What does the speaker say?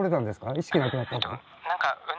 意識なくなった？